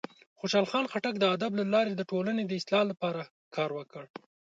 خوشحال خان خټک د ادب له لارې د ټولنې د اصلاح لپاره کار وکړ.